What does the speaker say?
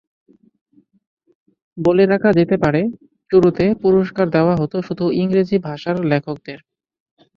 বলে রাখা যেতে পারে, শুরুতে পুরস্কার দেওয়া হতো শুধুমাত্র ইংরেজি ভাষার লেখকদের।